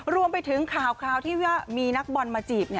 รวมไปถึงข่าวที่ว่ามีนักบอลมาจีบ